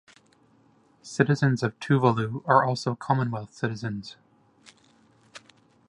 Citizens of Tuvalu are also Commonwealth citizens.